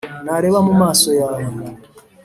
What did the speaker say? nareba mu maso yawe,